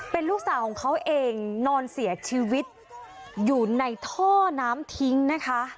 เป็นลูกสาวของเขาเองนอนเสียชีวิตอยู่ในท่อน้ำทิ้งนะคะ